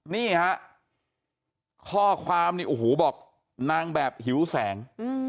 นี่ครับข้อความอู๋หนังแบบหิวแสง